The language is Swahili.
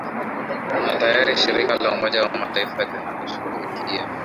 na tayari shirika la umoja wa mataifa linalo shughulikia